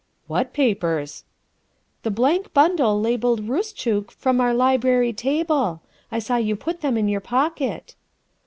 " What papers?" " The blank bundle labelled ' Roostchook' from our library table. I saw you put them in your pocket.